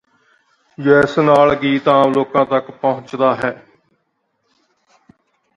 ਜਿਸ ਨਾਲ ਗੀਤ ਆਮ ਲੋਕਾਂ ਤੱਕ ਪਹੁੰਚਦਾ ਹੈ